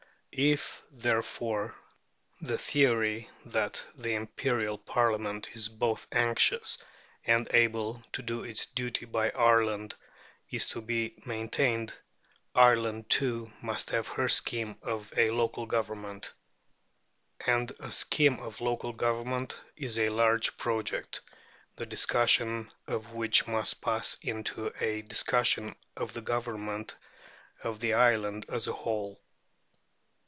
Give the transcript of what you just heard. If, therefore, the theory that the Imperial Parliament is both anxious and able to do its duty by Ireland is to be maintained, Ireland, too, must have her scheme of local government. And a scheme of local government is a large project, the discussion of which must pass into a discussion of the government of the island as a whole.